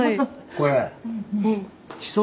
これ。